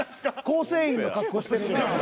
構成員の格好してるなぁ。